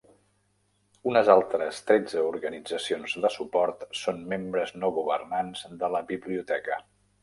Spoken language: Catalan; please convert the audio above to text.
Unes altres tretze organitzacions de suport són membres no governants de la biblioteca.